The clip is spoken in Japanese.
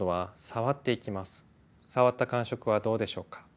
触った感触はどうでしょうか？